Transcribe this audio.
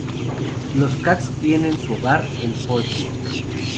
Los Cats tienen su hogar en Fort Worth.